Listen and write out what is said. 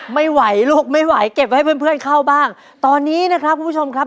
ไม่ไหวลูกไม่ไหวเก็บไว้ให้เพื่อนเพื่อนเข้าบ้างตอนนี้นะครับคุณผู้ชมครับ